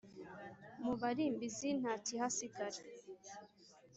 Mu Barambizi ntakihasigara